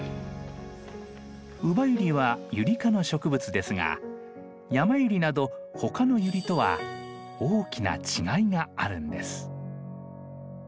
ウバユリはユリ科の植物ですがヤマユリなどほかのユリとは大きな違いがあるんです。